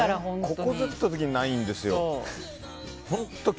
ここぞという時にないんですよ。